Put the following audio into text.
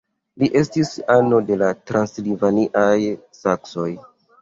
Li estis ano de la transilvaniaj saksoj.